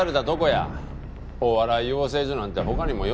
お笑い養成所なんて他にもよ